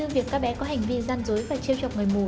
trong việc các bé có hành vi gian dối và chiêu trọc người mù